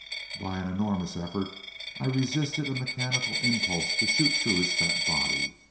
By an enormous effort I resisted a mechanical impulse to shoot through his fat body.